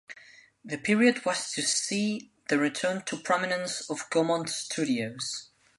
The period was to see the return to prominence of Gaumont Studios.